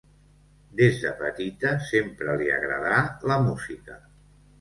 Des de petita sempre li agradà la música.